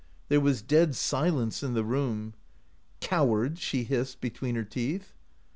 There was dead silence in the room. " 'Coward/ ' she hissed between her teeth.